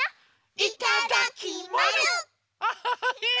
いただきまる！